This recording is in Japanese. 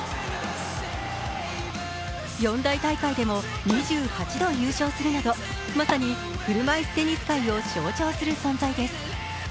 四大大会でも２８度優勝するなどまさに車いすテニス界を象徴する存在です。